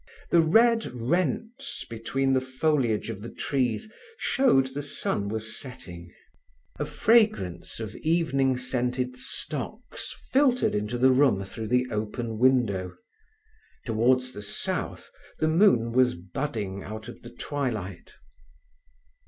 The red rents between the foliage of the trees showed the sun was setting; a fragrance of evening scented stocks filtered into the room through the open window; towards the south the moon was budding out of the twilight.